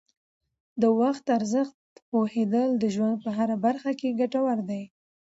د وخت ارزښت پوهیدل د ژوند په هره برخه کې ګټور دي.